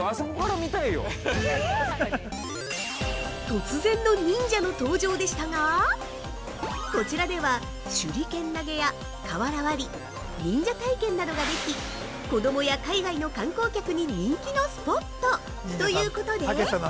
◆突然の忍者の登場でしたがこちらでは手裏剣投げや、瓦割り、忍者体験などができ子供や海外の観光客に人気のスポット！ということで◆